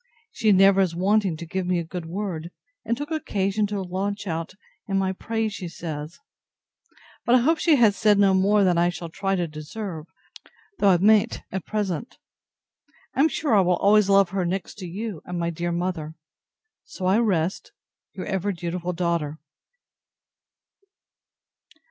She never is wanting to give me a good word, and took occasion to launch out in my praise, she says. But I hope she has said no more than I shall try to deserve, though I mayn't at present. I am sure I will always love her, next to you and my dear mother. So I rest Your ever dutiful DAUGHTER.